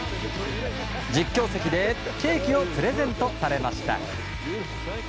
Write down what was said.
実況席でケーキをプレゼントされました。